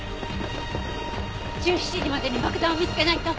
１７時までに爆弾を見つけないと。